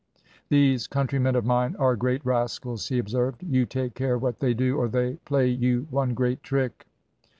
"These countrymen of mine are great rascals," he observed; "you take care what they do, or they play you one great trick."